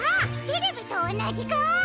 テレビとおなじかお！